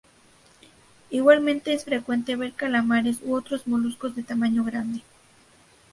Igualmente es frecuente ver calamares u otros moluscos de tamaño grande.